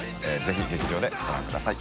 爾劇場でご覧ください。